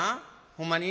ほんまに？